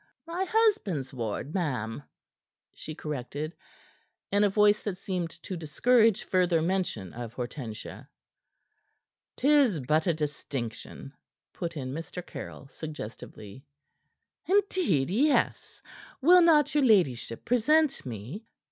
"My husband's ward, ma'am," she corrected, in a voice that seemed to discourage further mention of Hortensia. "'Tis but a distinction," put in Mr. Caryll suggestively. "Indeed, yes. Will not your ladyship present me?"